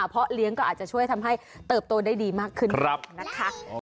เพราะเลี้ยงก็อาจจะช่วยทำให้เติบโตได้ดีมากขึ้นนะคะ